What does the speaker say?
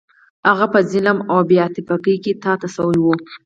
هغه په ظلم او بې عاطفګۍ کې تا ته شوی و.